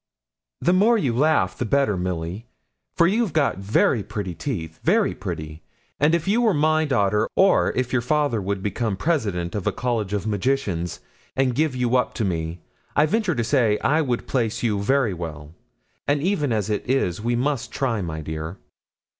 'The more you laugh the better, Milly, for you've got very pretty teeth very pretty; and if you were my daughter, or if your father would become president of a college of magicians, and give you up to me, I venture to say I would place you very well; and even as it is we must try, my dear.'